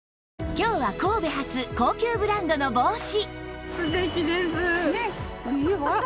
今日は神戸発高級ブランドの帽子